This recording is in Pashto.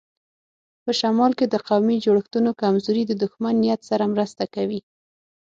په شمال کې د قومي جوړښتونو کمزوري د دښمن نیت سره مرسته کوي.